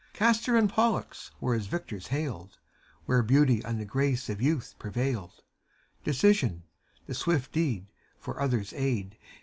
Castor and Pollux were as victors hailed. Where ^auty and the grace of youth prevailed : Decision, the swift deed for others' aid.